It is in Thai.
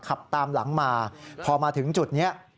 ขับตามหลังมาพอมาถึงจุดนี้